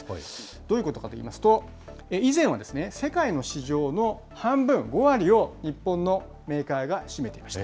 どういうことかといいますと、以前は世界の市場の半分、５割を日本のメーカーが占めていました。